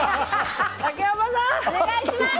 お願いします！